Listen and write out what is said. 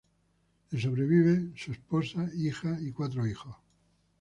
Le sobreviven su esposa, hija y cuatro hijos.